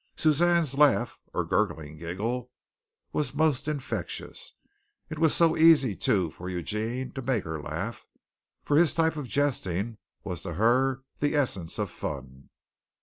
Suzanne's laugh, or gurgling giggle, was most infectious. It was so easy, too, for Eugene to make her laugh, for his type of jesting was to her the essence of fun.